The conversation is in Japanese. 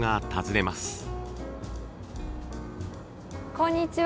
こんにちは。